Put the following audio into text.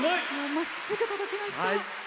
まっすぐ届きました！